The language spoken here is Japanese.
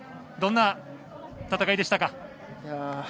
どんな戦いでしたか。